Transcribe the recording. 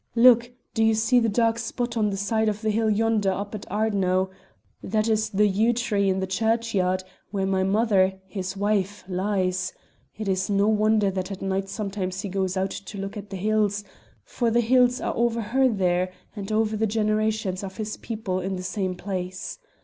Look! do you see the dark spot on the side of the hill yonder up at Ardno? That is the yew tree in the churchyard where my mother, his wife, lies; it is no wonder that at night sometimes he goes out to look at the hills, for the hills are over her there and over the generations of his people in the same place.